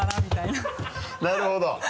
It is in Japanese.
なるほど！